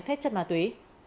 phép chất ma túy